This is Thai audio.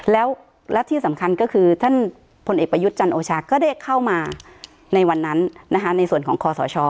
แล้วและที่สำคัญก็คือท่านพลเอกประยุทธ์จันโอชาก็ได้เข้ามาในวันนั้นนะคะในส่วนของคอสช